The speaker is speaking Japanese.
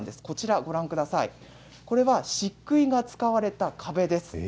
こちらはしっくいが使われた壁です。